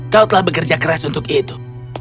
kau telah bekerja keras untuk itu